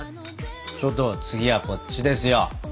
ちょっと次はこっちですよ。